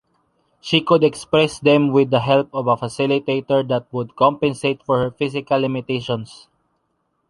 She could express them with the help of a facilitator that would compensate for her physical limitations.